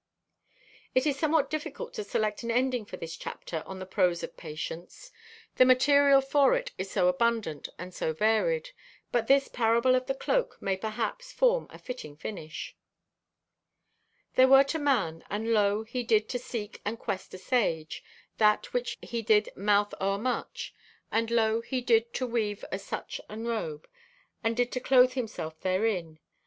It is somewhat difficult to select an ending for this chapter on the prose of Patience: the material for it is so abundant and so varied, but this "Parable of the Cloak" may perhaps form a fitting finish: "There wert a man, and lo, he did to seek and quest o' sage, that which he did mouth o'ermuch. And lo, he did to weave o' such an robe, and did to clothe himself therein.